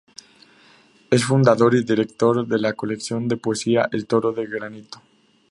Es fundador y director de la colección de poesía "El toro de granito".